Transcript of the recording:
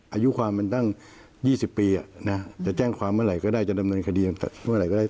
อายุความมันตั้ง๒๐ปีจะแจ้งความเมื่อไหร่ก็ได้จะดำเนินคดีเมื่อไหร่ก็ได้